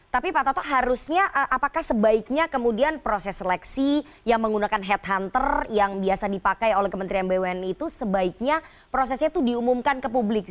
tapi pak toto harusnya apakah sebaiknya kemudian proses seleksi yang menggunakan head hunter yang biasa dipakai oleh kementerian bumn itu sebaiknya prosesnya itu diumumkan ke publik